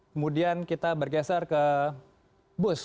kemudian kita bergeser ke bus